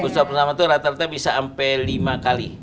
puasa bersama tuh rata rata bisa sampai lima kali